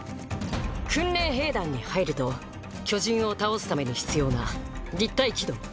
「訓練兵団」に入ると巨人を倒すために必要な「立体機動」